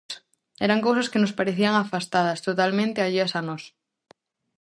Eran cousas que nos parecían afastadas, totalmente alleas a nós.